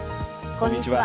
こんにちは。